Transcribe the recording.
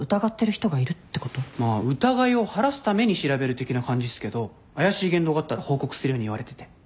まあ疑いを晴らすために調べる的な感じっすけど怪しい言動があったら報告するように言われてて。